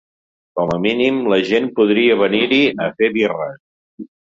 Com a mínim la gent podria venir-hi a fer birres.